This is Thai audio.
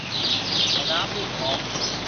เอาน้ำลูบท้อง